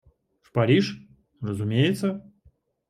В Париж, разумеется?.